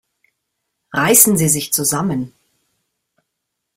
Reißen Sie sich zusammen!